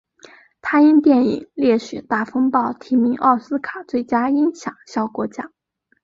他因电影烈血大风暴提名奥斯卡最佳音响效果奖。